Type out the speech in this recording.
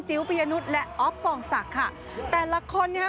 ปริยนุษย์และอ๊อฟปองศักดิ์ค่ะแต่ละคนเนี่ย